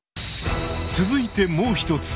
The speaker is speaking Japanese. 続いてもう一つ！